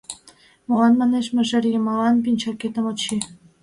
— Молан, манеш, мыжер йымалан пинчакетым от чий?